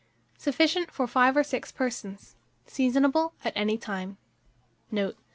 Sufficient for 5 or 6 persons. Seasonable at any time. Note.